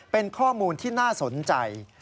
เป็นข้อมูลที่น่าสนใจ